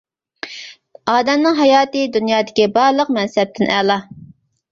ئادەمنىڭ ھاياتى دۇنيادىكى بارلىق مەنسەپتىن ئەلا.